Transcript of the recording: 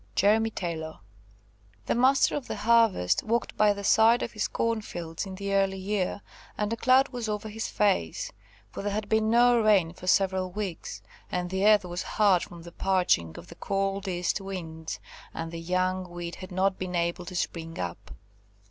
"–JEREMY TAYLOR. THE Master of the Harvest walked by the side of his corn fields in the early year, and a cloud was over his face, for there had been no rain for several weeks, and the earth was hard from the parching of the cold east winds, and the young wheat had not been able to spring up.